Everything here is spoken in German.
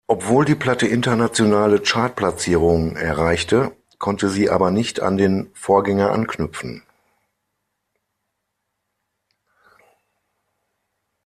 Obwohl die Platte internationale Chartplatzierungen erreichte, konnte sie aber nicht an den Vorgänger anknüpfen.